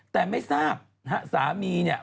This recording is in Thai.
แต่ไม่ทราบนะฮะสามีเนี่ย